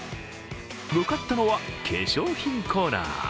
向かったのは化粧品コーナー。